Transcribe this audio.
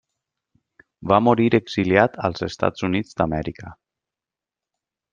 Va morir exiliat als Estats Units d'Amèrica.